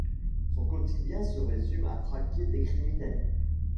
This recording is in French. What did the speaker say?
Son quotidien se résume à traquer des criminels.